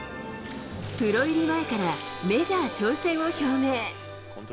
プロ入り前からメジャー挑戦を表明。